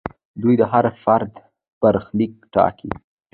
دوی د هر فرد برخلیک ټاکي.